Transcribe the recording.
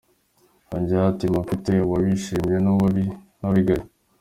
Yongeyeho ati “Mba mfite uwabishimye n’uwabigaye.